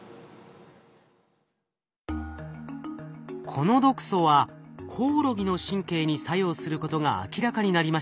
この毒素はコオロギの神経に作用することが明らかになりました。